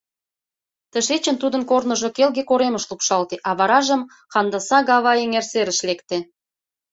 Тышечын тудын корныжо келге коремыш лупшалте, а варажым Хандаса-Гава эҥер серыш лекте.